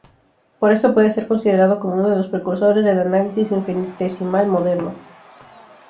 Por esto puede ser considerado como uno de los precursores del análisis infinitesimal moderno.